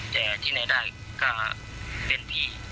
แต่ที่ไหนได้ก็เล่นพี่